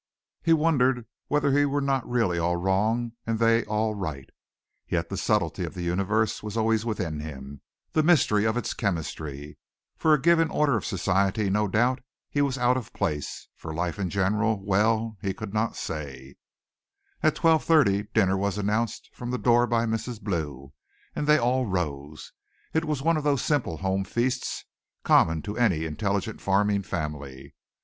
He wondered whether he were not really all wrong and they all right. Yet the subtlety of the universe was always with him the mystery of its chemistry. For a given order of society no doubt he was out of place for life in general, well, he could not say. At 12.30 dinner was announced from the door by Mrs. Blue and they all rose. It was one of those simple home feasts common to any intelligent farming family.